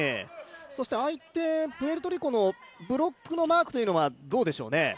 そして相手、プエルトリコのブロックのマークというのはどうでしょうね。